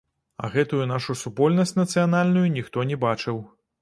А гэтую нашую супольнасць нацыянальную ніхто не бачыў.